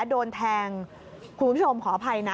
โดนแทงคุณผู้ชมขออภัยนะ